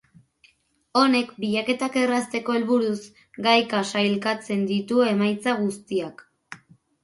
Honek, bilaketak errazteko helburuz, gaika sailkatzen ditu emaitza guztiak.